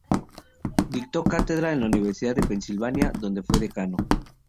Dictó cátedra en la Universidad de Pennsylvania, donde fue decano.